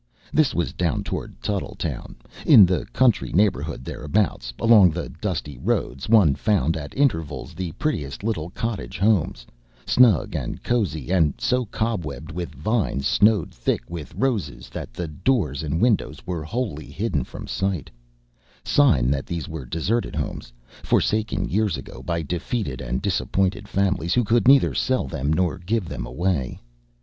This was down toward Tuttletown. In the country neighborhood thereabouts, along the dusty roads, one found at intervals the prettiest little cottage homes, snug and cozy, and so cobwebbed with vines snowed thick with roses that the doors and windows were wholly hidden from sight sign that these were deserted homes, forsaken years ago by defeated and disappointed families who could neither sell them nor give them away.